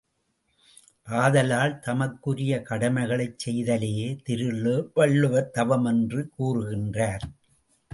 ஆதலால், தமக்குரிய கடமைகளைச் செய்தலையே திருவள்ளுவர் தவம் என்று கருதுகின்றார்.